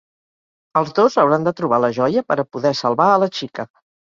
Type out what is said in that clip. Els dos hauran de trobar la joia per a poder salvar a la xica.